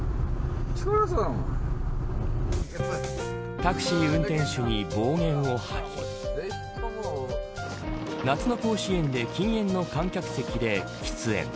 タクシー運転手に暴言を吐き夏の甲子園で禁煙の観客席で喫煙。